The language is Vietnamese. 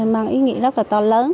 mang ý nghĩa rất là to lớn